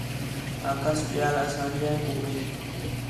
آکھاس ٻِیال اسانجیاں کُکڑیں